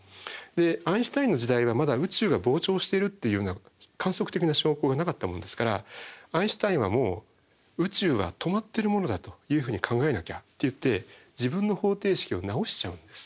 アインシュタインの時代はまだ宇宙が膨張しているっていうような観測的な証拠がなかったものですからアインシュタインはもう宇宙は止まってるものだというふうに考えなきゃと言って自分の方程式を直しちゃうんです。